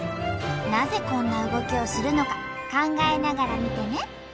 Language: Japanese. なぜこんな動きをするのか考えながら見てね。